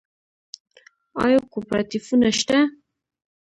آیا کوپراتیفونه شته؟